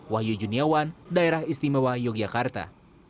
wahyu juniawan daerah istimewa yogyakarta